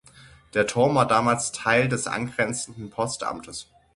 Der Turm war damals Teil des angrenzenden Postamtes.